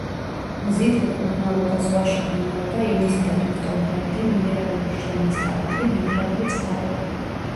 მზით მკურნალობა, ზღვაში ბანაობა ივნისიდან ოქტომბრამდე, მინერალური შლამის ტალახი, მინერალური წყაროები.